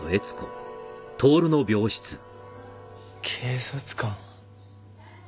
警察官？